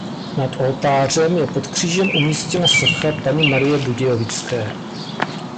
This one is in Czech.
Nad oltářem je pod křížem umístěna socha Panny Marie Budějovické.